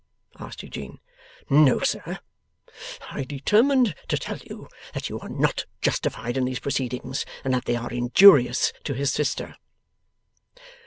asked Eugene. 'No, sir. I determined to tell you that you are not justified in these proceedings, and that they are injurious to his sister.